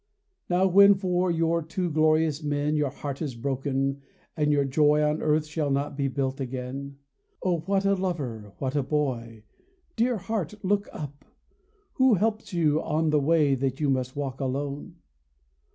Now when for your two glorious men Your heart is broken, and your joy On earth shall not be built again, Oh, what a 'over, what a boy ! Dear heart, look up ! Who helps you on The way that you must walk alone